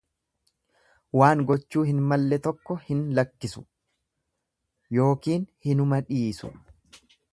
Waan gochuu hin malle tokko hin lakkisu ykn hinumadhiisu.